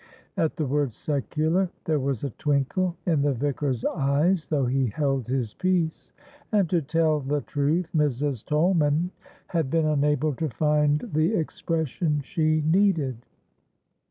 At the word "secular" there was a twinkle in the Vicar's eyes, though he held his peace. And to tell the truth, Mrs. Tolman had been unable to find the expression she needed.